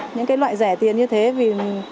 những cái loại rẻ tiền như thế vì